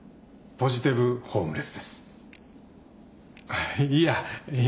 ポジティブホームレス。